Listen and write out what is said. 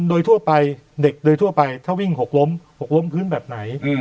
เด็กโดยทั่วไปถ้าวิ่งหกล้มพื้นแบบไหน